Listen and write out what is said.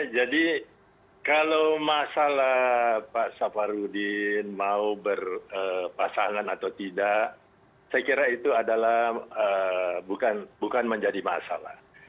jadi kalau masalah pak safarudin mau berpasangan atau tidak saya kira itu adalah bukan menjadi masalah